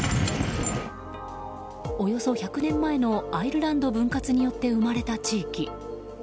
およそ１００年前のアイルランド分割によって生まれた地域。